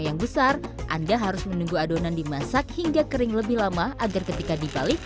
yang besar anda harus menunggu adonan dimasak hingga kering lebih lama agar ketika dibalik